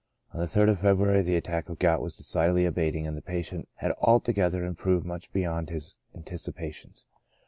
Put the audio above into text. On the 3rd of February the attack of gout was decidedly abating, and the patient had altogether improved much beyond his anticipations.